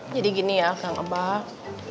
jadi gini ya kang abah